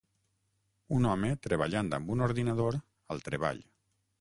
Un home treballant amb un ordinador al treball.